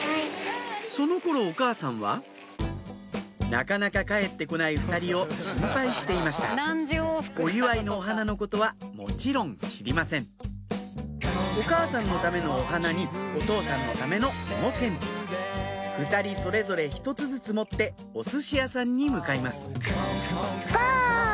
その頃お母さんはなかなか帰って来ない２人を心配していましたお祝いのお花のことはもちろん知りませんお母さんのためのお花にお父さんのための芋けんぴ２人それぞれ１つずつ持っておすし屋さんに向かいますゴー！